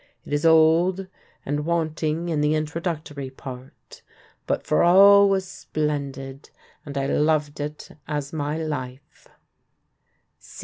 It is old and wanting in the introductory part, but for all was splendid and I loved it as my life."